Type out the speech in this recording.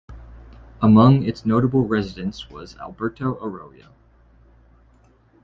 Among its notable residents was Alberto Arroyo.